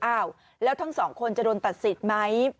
อ้าวแล้วทั้งสองคนจะโดนตัดสิทธิ์ไหม